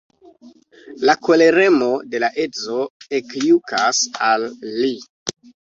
La koleremo de la edzo ekjukas al li.